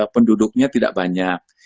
penduduknya tidak banyak